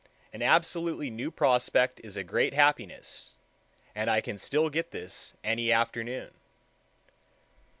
An absolutely new prospect is a great happiness, and I can still get this any afternoon.